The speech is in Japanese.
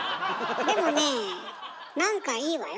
でもねえ何かいいわよ。